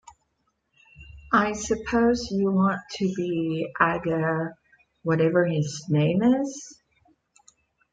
I suppose you want to be Aga — whatever his name is?